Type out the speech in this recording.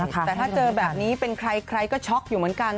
แต่ถ้าเจอแบบนี้เป็นใครใครก็ช็อกอยู่เหมือนกัน